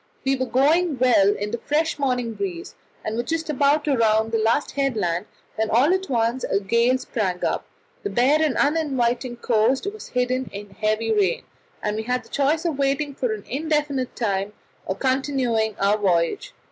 We were going well in the fresh morning breeze, and were just about to round the last headland, when all at once a gale sprang up again, the bare and uninviting coast was hidden in heavy rain, and we had the choice of waiting for an indefinite time or continuing our voyage.